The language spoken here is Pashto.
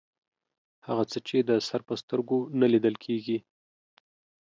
هغه څه چې د سر په سترګو نه لیدل کیږي